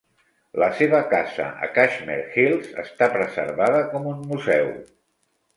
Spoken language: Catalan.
La seva casa a Cashmere Hills està preservada com un museu.